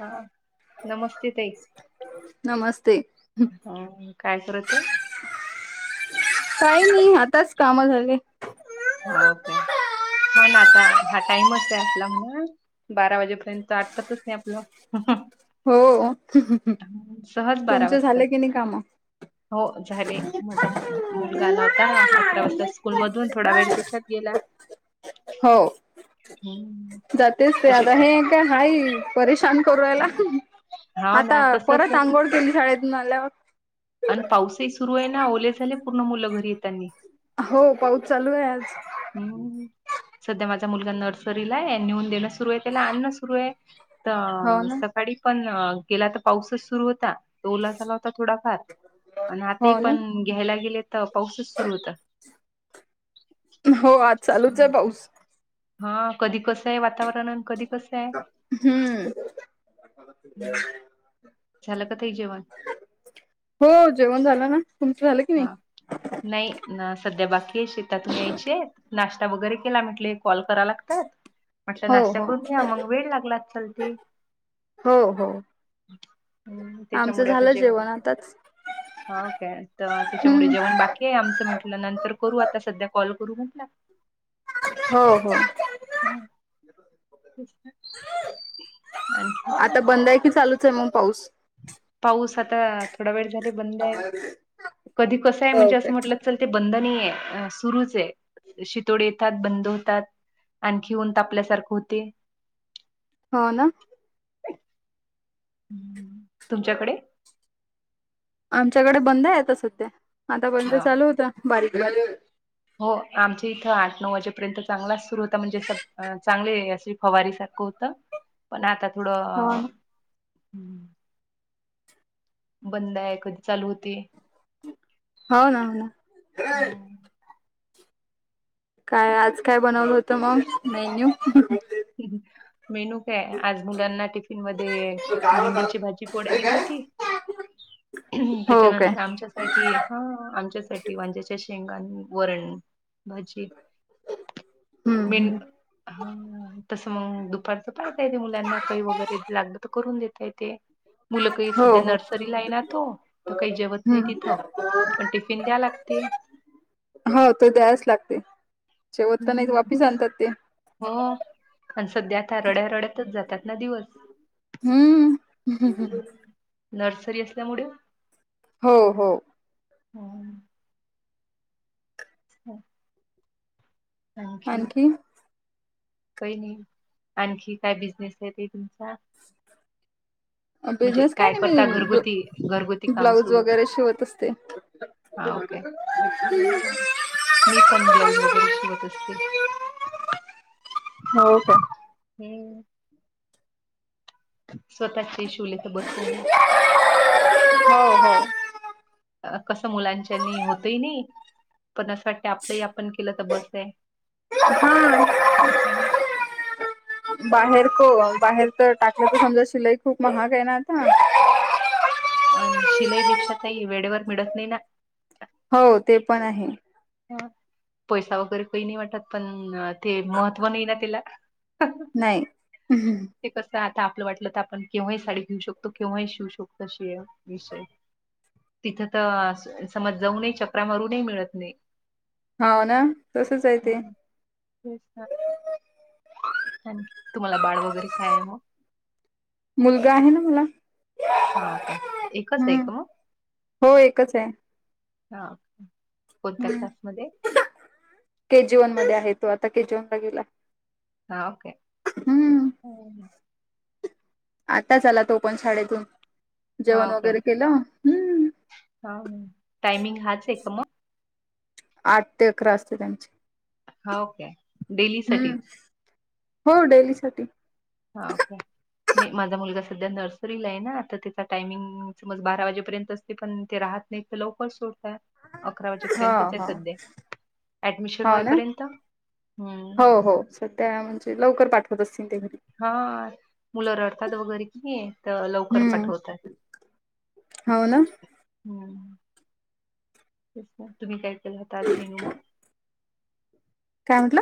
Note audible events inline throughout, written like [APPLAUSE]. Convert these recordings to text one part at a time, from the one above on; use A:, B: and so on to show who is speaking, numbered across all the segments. A: हा नमस्ते ताई.
B: नमस्ते
A: हा काय करते?
B: काही नाही आताच काम झाली.
A: हाव काय. हो ना आता हा टाइमच आहे आपला म्हणा, बारा वाजेपर्यंत आटपतच नाही आपलं.
B: हो,
A: सहज बारा
B: तुमच झालं
A: वाजतात
B: की नाही काम.
A: हो झाले माझा मुलगा आला होता अकरा वाजता स्कूल मधून थोडा वेळ त्याच्यात गेला,
B: हो
A: हम्म तसे
B: त्या हाई परेशान करू रायला.
A: हाव
B: आता
A: ना तसच
B: परत
A: आहे
B: आंघोळ केली शाळेतून आल्यावर.
A: आणि पाऊसही सुरू आहे ना ओले झाले पूर्ण मुलं घरी येतानी.
B: हो पाऊस चालू आहे आज.
A: हम्म सध्या माझा मुलगा नर्सरीला आहे नेऊन देण सुरु आहे. त्याला आणण सुरू आहे
B: हो
A: तर
B: ना
A: सकाळी पण गेला तर पाऊसच सुरू होता. तो ओला झाला होता थोडाफार आन आताही
B: हो ना.
A: पण घ्यायला गेले तर पाऊसच सुरू होता.
B: हो आज चालूच आहे पाऊस.
A: हा कधी कसं आहे वातावरण आणि कधी कसं आहे.
B: हम्म!
A: झाल का ताई जेवन.
B: हो जेवण झालं ना. तुमचं झालं की नाही?
A: हा नाही ना सध्या बाकी आहे शेतातून यायचे. नाश्ता वगैरे केला म्हटले कॉल करा लागतात. म्हटल्या
B: हो
A: नाश्ता
B: हो
A: करून घ्या मग वेळ लागला असल ते.
B: हो हो. आमचं झालं जेवण आताच.
A: हाव काय तर त्याच्यामुळे
B: हम्म
A: जेवण बाकी आहे आमचं म्हटलं नंतर करू आता सध्या कॉल करू म्हटलं
B: हो हो.
A: हम्म, आणखी.
B: आता बंद आहे की चालूच आहे मग पाऊस?
A: पाऊस आता थोडा वेळ झाला बंद आहे कधी कसं आहे म्हणजे
B: ओके
A: असं म्हटलं पण ते बंद नाही आहे सुरूच आहे शितोड येतात बंद होतात. आणखी ऊन तापल्यासारखं होतय.
B: हो ना
A: तुमच्याकडे?
B: आमच्याकडे बंदय आता सध्या आता पर्यंत
A: हा
B: चालू होतं बारीक बारीक.
A: हो आमच्या इथं आठ नऊ वाजेपर्यंत चांगलाच सुरू होता म्हणजे स चांगले असे फवारी सारखं होतं. पण आता
B: हो
A: थोडं
B: ना
A: बंदय कधी चालू होतय.
B: हो ना होना. काय आज काय बनवलं होतं मग मेन्यू?
A: मेनू काय आज मुलांना टिफिन मध्ये भिंडीची भाजी पोळ्या दिली होती
B: हो काय
A: त्याच्यानंतर आमच्या साठी हा आमच्यासाठी वांज्याच्या शेंगा आण वरण. भजी
B: हम्म हम्म
A: मिंट हां. तसं मग दुपारचं पाहता येते मुलांना काही वगैरे लागलं तर करून देता येते. मुलं काही
B: हो
A: सध्या
B: हो
A: नर्सरीलायणा तो तर काही जेवत नाही
B: हम्म
A: तिथं. पण टिफिन द्याय लागते.
B: हो ते द्यायच लागते जेवत तर नाही
A: हम्म
B: वापिस आणतात ते.
A: हो पण सध्या आता रड्या रडतच जातात ना दिवस.
B: हम्म.
A: हम्म. नर्सरी असल्यामुळे.
B: हो हो.
A: हम्म. [INAUDIBLE] आणखी? कई नई आणखी काय बिझनेसय ताई तुमचा? म्हणजे
B: बिझनेस काय नाही
A: करता घरगुती घरगुती
B: मी
A: काम
B: ब्लाऊज
A: सोडून
B: वगैरे शिवत असते. [INAUDIBLE]
A: हा ओके हा. मी पण ब्लाऊज वगैरे शिवत असते.
B: हो का.
A: हम्म. स्वतःचेही शिवले तर बसवेना.
B: हो हो.
A: अ कसं मुलांच्यानी होतई नई. पण असं वाटतय आपलंही आपण केलं तर बसय.
B: बाहेर को बाहेर तर टाकायच समजा शिलाई खूप महाग आहे ना आता?
A: अन शिलाईपेक्षा ताई वेडेवड मिडत नाही ना.
B: हो ते पण आहे.
A: पैसा वगैरे कई नई वाटत पण ते महत्त्व नाही ना तेला.
B: नाही.
A: ते कसं आता आपलं वाटलं तर आपण केव्हाही साडी घेऊ शकतो केव्हाही शिवू शकतो अशीय. विषय तिथं तर समज जाऊनय चकरा मारूनय मिळत नाही.
B: हो ना तसंच आहे ते.
A: हम्म. तेच ना. आणकी तुम्हाला बाळ वगैरे काये मग?
B: मुलगा आहे ना मला.
A: हो का एकचय
B: हम्म
A: का मग?
B: हो एकचय.
A: हां कोणत्या
B: हम्म
A: क्लासमध्ये?
B: के जी वन मध्ये आहे, तो आता के जी वनला गेला.
A: हाव काय
B: हम्म आताच आला तो पण शाळेतून, जेवण
A: ओके
B: वगैरे केलं.
A: हा हा टाइमिंग हाच का म?
B: आठ ते अकरा असते त्यांची
A: होके
B: हम्म, हो डेलीसाठी
A: हाव का नई माझा मुलगा सध्या नर्सरीला आहे ना, तर त्याचा टायमिंग समज बारा वाजेपर्यंत असते पण ते राहत- नाही तर लवकर सोडतात अकरा
B: हा
A: वाजेपर्यंतच हाय
B: हा
A: सध्या, ऍडमिशन
B: हो ना
A: होईपर्यंत. हम्म
B: तर त्या म्हणजे लवकर पाठवत असतीन ते घरी
A: हां मुलं रडतात वगैरे की नई, तर लवकर
B: हम्म
A: पाठवत्यात
B: हो ना
A: हम्म [UNINTELLIGIBLE] तुम्ही काय केला होता आज मेनू मग?
B: काय म्हटला?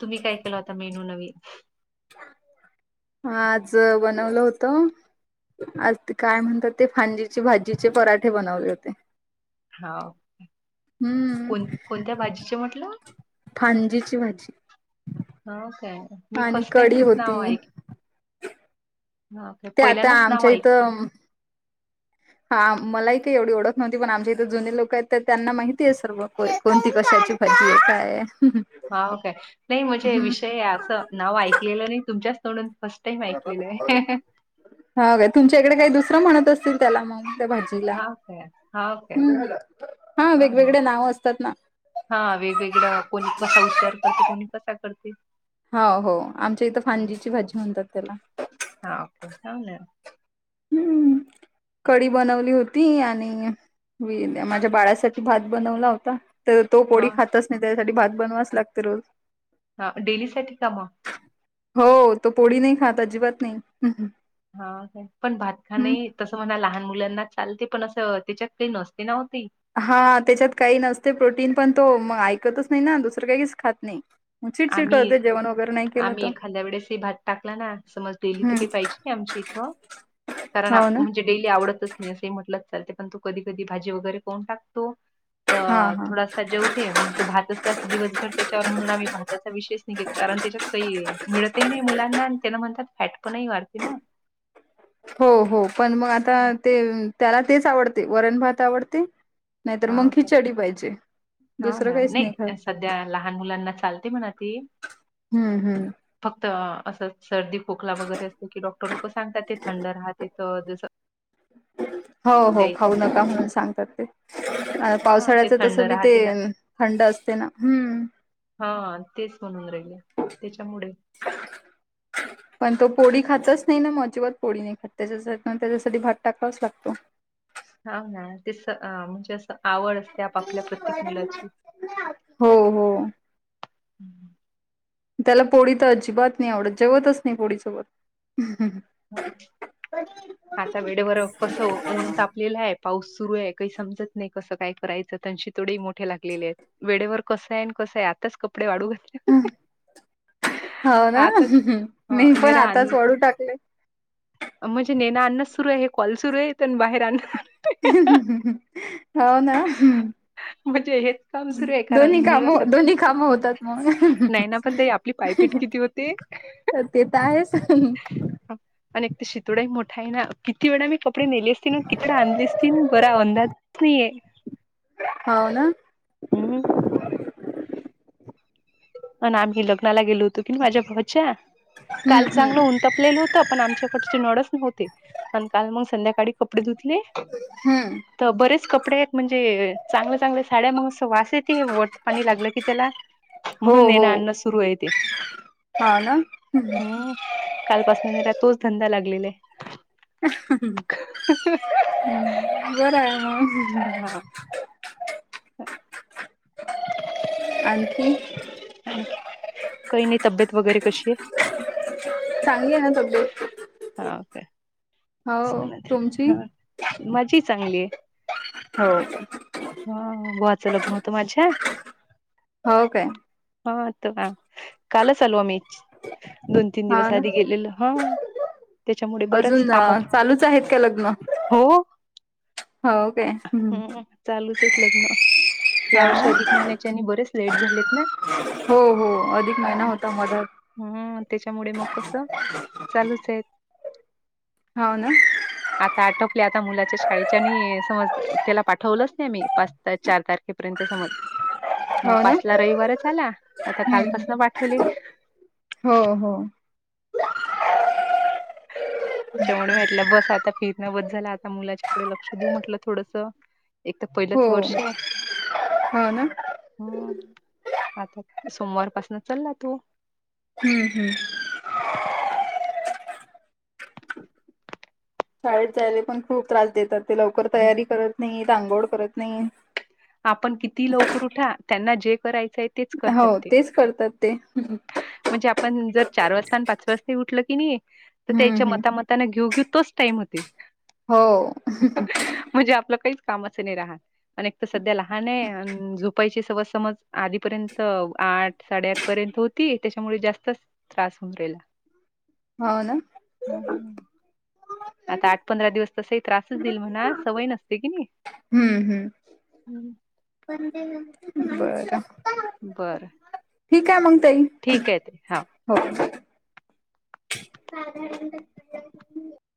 A: तुम्ही काय केला होता मेनू नवीन?
B: आज बनवलं होतं आज ते काय म्हणतात ते, फांजीची भाजीचे पराठे बनवले होते.
A: हाव
B: हम्म
A: कोण, कोणत्या भाजीचे म्हटला?
B: फांजीची भाजी
A: हो काय, मी
B: आणि
A: फर्स्ट
B: कढी
A: टाईमच
B: होती
A: नाव ऐक [UNINTELLIGIBLE]
B: ते आता
A: पहिल्यानच नाव
B: आमच्या
A: ऐक
B: इथं हा मलाही काही एवढी ओळख नव्हती, पण आमच्या इथं जुनी लोकं आहेत तर त्यांना माहिती आहे सर्व. कोणती कशाची भाजी हे काय. हम्म म
A: हाव काय, नाही म्हणजे विषय असं नाव ऐकलेलं नाही तुमच्याच तोंडून फ
B: हा काय, तुमच्या इकड काय दुसरं म्हणत असतील त्याला मग त्या भाजी
A: हा काय हा काय
B: हम्म, हा वेगवेगळे नाव असतात ना.
A: हा वेगवेगळ कोणी कसा उच्चार करते कोणी कसा करतील.
B: हा हो आमच्या इथं फांजीची भाजी म्हणतात त्येला
A: हा ओके छान हे
B: हम्म कडी बनवली होती आणि
A: हा
B: माझ्या बाळासाठी भात बनवला होता. तर तो
A: हा
B: पोळी खातच नाही त्याच्यासाठी भात बनवावाच लागते रोज
A: हा डेली साठी का म?
B: हो तो पोळी नाही खात अजिबात नाही.
A: हा काय पण भात खा नई तसं म्हणा लहान मुलांना चालते, पण असं त्येच्यात काही नसती नव्ह ती?
B: हा त्याच्यात काही नसते प्रोटीन पण तो मग ऐकतच नाही ना, दुसरं काहीच खात नाही. मग चिडचिड
A: आम्ही
B: करते जेवण वगैरे नाही केलं
A: आम्ही
B: तर
A: एखाद्या वेळेस हे भात टाकला ना, समज डेलीथ काय
B: हम्म
A: पाहिजे आमची इथं कारण
B: हो ना
A: म्हणजे डेली आवतच नाही असं म्हटलं चालते पण तो कधी कधी भाजी वगैरे कोण टाकतो.
B: हा
A: तर
B: हा.
A: थोडासा जेवते, मंग तो भात असला दिवसभर त्याच्यावर म्हणून आम्ही भात त्याचा विशेष निघेत, कारण त्याच्यात काही मिळतही नाही मुलांना आणि त्यान म्हणतात फॅट पण नाही वाढते ना
B: हो हो पण मग आता ते त्याला तेच आवडते, वरण भात आवडते नाहीतर
A: हा
B: मग
A: काय
B: खिचडी पाहिजे.
A: हा
B: दुसरं
A: ना
B: काहीच खात
A: नाही सध्या लहान मुलांना चालते म्हणा ती.
B: हम्म हम्म.
A: फक्त असं सर्दी खोकला वगैरे असतो की डॉक्टर लोक सांगतात ते थंड राहते जस
B: हो हो खाऊ नका म्हणून सांगतात ते. अह
A: हा ते
B: पावसाळ्याच तस
A: थंड
B: बी ते
A: राहते ना
B: थंड असते ना. हम्म.
A: हा तेच म्हणून राहिले त्याच्यामुळेच
B: पण तो पोळी खातच नाही ना म अजिबात पोळी नाही खात त्याच्या त्याच्यासाठी भात टाकावाच लागतो.
A: हा ना तेस अह म्हणजे असं आवड असते आपापल्या प्रत्येक
B: वरण
A: मुलाची
B: हो हो. त्याला पोळी तर अजिबात नाही आवडत जेवतच नाही पोळीसोबत. हम् हम
A: हो. आता वेळेवर कसं ऊन तापलेलं आहे पाऊस सुरू आहे काही समजत नाही कसं काय करायचं त्यांची तोडी मोठे लागलेले आहेत वेळेवर कसं आहे आणि कसं आहे आताच कपडे वाळू
B: हा, हो ना
A: आताच
B: मी
A: अं,
B: पण
A: नेरा
B: आताच
A: अन्न
B: वाळू टाकले.
A: म्हणजे नेण आणण सुरु आहे हे कॉल सुरू आहे आणि बाहेर आणण
B: हो ना हम्म.
A: म्हणजे हेच काम सुरू आहे कारण
B: दोन्ही काम
A: मुलगा
B: दोन्ही
A: सक
B: काम होतात मग.
A: ही पायपीट किती होते?
B: तर ते तर आहेच
A: आणि एक ते शितोडाही मोठा आहे ना. किती वेळा मी कपडे नेले असतील अन तिकडे आणले असतील बरा अंदाजच नाहीये.
B: हो ना.
A: हम्म. पण आम्ही लग्नाला गेलो होतो की माझ्या भावाच्या काल
B: हम्म
A: चांगलं
B: हम्म
A: उन तपलेल होत त पण आमच्याकडचे नळच नव्हते आणि काल मग संध्याकाळी कपडे धुतले
B: हम्म.
A: तर बरेच कपडे आहेत म्हणजे चांगल्या चांगल्या साड्या मग असं वास येत वरच पाणी लागलं की त्याला
B: हो
A: म्हणून नेणं
B: हो
A: आणण सुरू आहे ते.
B: हा ना
A: हम्म. कालपासन जरा तोच धंदा लागलेला आहे.
B: हम्म बर आहे मग.
A: हा
B: आणखी?
A: आणखी काही नाही तब्येत वगैरे कशी आहे?
B: चांगली आहे ना तब्येत.
A: हा ओके.
B: हो तुमची?
A: माझी चांगली आहे.
B: हो ना.
A: हा भावाचं लग्न होतं माझ्या
B: हो काय.
A: हा तर का, कालच आलो आम्ही. दोन तीन
B: हा
A: दिवस
B: ना
A: आधी गेलेलो हा, त्याच्यामुळे बरच
B: ह चालूच आहेत का लग्न.
A: हो
B: हो ओके
A: ह चालूच हे लग्न या
B: हा
A: वर्ष अधिक महिन्याच्या आणि बरेच लेट झालेत ना
B: हो हो अधिक महिना होता मधात
A: हम्म त्याच्यामुळे मग कसं चालूच आहे.
B: हो ना
A: आता आटोपले आता मुलाच्या शाळेच्या आणि समज त्याला पाठवलंच नाही आम्ही पाच चार तारखेपर्यंत समज मग
B: हो ना
A: पाचला रविवारच आला आता कालपासन पाठवली
B: हो-हो.
A: [UNINTELLIGIBLE] त्याच्यामुळे मी म्हटलं बस आता फिरण बस झाला आता मुलाच्याकडे लक्ष देऊ म्हटल. थोडस एक तर पहिलंच
B: हो
A: वर्ष आहे.
B: हो ना
A: हम्मं आता सोमवारपासन चालला तो.
B: [UNINTELLIGIBLE] शाळेत जायला पण खूप त्रास देतात ते लवकर
A: हो
B: तयारी करत नाही अंघोळ करत नाही.
A: आपण किती लवकर उठा त्यांना जे करायचंय तेच
B: हो
A: करतात ते
B: तेच करतात ते.
A: म्हणजे आपण जर चार वाजता आणि पाच वाजता उठल की नाही तर
B: हम्म
A: त्याच्या
B: हम्म
A: मातामत त्यांना घेऊ-घेऊ तोच टाईम होते
B: हो
A: [UNINTELLIGIBLE] म्हणजे आपलं काहीच कामचं नाही राहत. अन एक तर सध्या लहान आहे झुपायची सवज समज आधीपर्यंत आठ साडेआठ पर्यंत होत ती त्याच्यामुळे जास्तच त्रास होऊन राहिला.
B: हो ना
A: आता आठ पंधरा दिवस तसे त्रासच देईल म्हणा सवय नसते कि नाही.
B: हम्म हम्म बरं.
A: बरं.
B: ठीक आहे मंग तई.
A: ठीक आहेत हा.
B: हो. [UNINTELLIGIBLE] हो.